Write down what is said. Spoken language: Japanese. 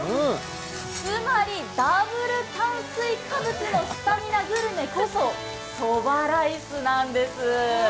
つまりダブル炭水化物のスタミナグルメこそそばライスなんです。